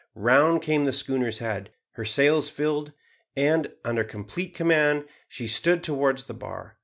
Round came the schooner's head. Her sails filled, and, under complete command, she stood towards the bar.